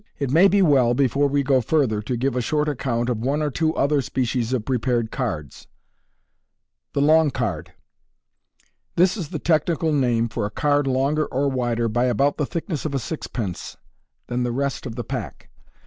It may be well, before we go further, to give a short account of one or two other species of prepared cards. The Long Card. — This is the technical name for a card longer or wider, by about the thickness of a sixpence, than the rest of the pack.